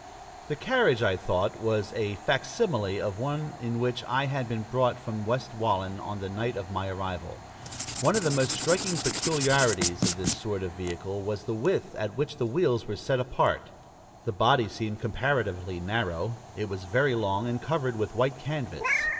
The carriage, I thought, was a fac simile of the one in which I had been brought from West Wallen on the night of my arrival. One of the most striking peculiarities of this sort of vehicle was the width at which the wheels were set apart. The body seemed comparatively narrow. It was very long, and covered with white canvas.